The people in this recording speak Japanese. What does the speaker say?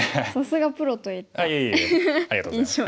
さすがプロといった印象。